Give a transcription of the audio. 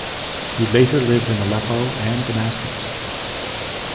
He later lived in Aleppo and Damascus.